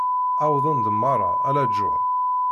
Wwḍen-d merra, ala John.